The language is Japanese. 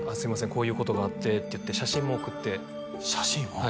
「こういうことがあって」っていって写真も送って写真？はあ